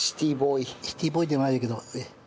シティーボーイではないんだけど。